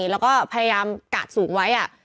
แล้วก็พยายามกาดสูงไว้